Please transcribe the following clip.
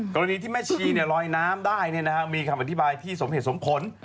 กรณีที่แม่ชีลอยน้ำได้มีคำอธิบายที่สมเหตุสมผล